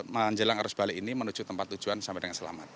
menjelang arus balik ini menuju tempat tujuan sampai dengan selamat